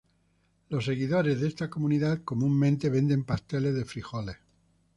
Los seguidores de esta comunidad comúnmente venden pasteles de frijoles.